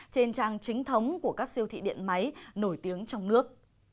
trên trang chính thống của các siêu thị điện máy nổi tiếng trong nước